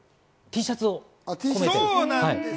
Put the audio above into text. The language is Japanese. Ｔシャツを込めて。